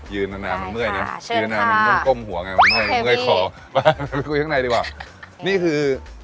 ยืนนานานามันเมื่อยเนี่ยยืนนานานามันต้องก้มหัวไงมันเมื่อยคอไปคุยข้างในดีกว่านี่คือ